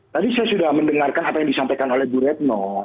tadi saya sudah mendengarkan apa yang disampaikan oleh bu retno